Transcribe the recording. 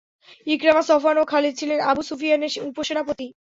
Ikrima, Safwan এবং Khalid ছিলেন Abu সুফিয়ানের উপসেনাপতি।